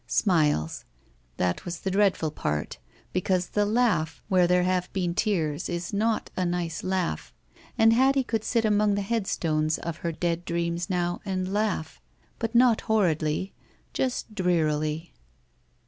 Smiles. That was the dreadful part, because the laughs where there have been tears is not a nice laugh, and Hattie could sit among the headstones of her dead dreams now and laugh. But not horridly. Just drearily.